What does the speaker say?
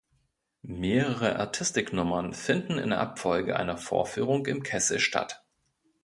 Mehrere Artistik-Nummern finden in der Abfolge einer Vorführung im Kessel statt.